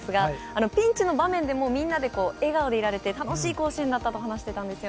ピンチの場面でもみんなで笑顔でいられて楽しい甲子園だったと。